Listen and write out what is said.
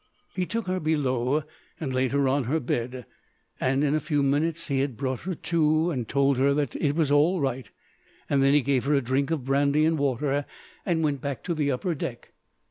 He took her below and laid her on her bed, and in a few minutes he had brought her to and told her that it was all right. Then he gave her a drink of brandy and water and went back to the upper deck.